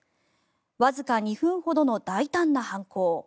わずか２分ほどの大胆な犯行。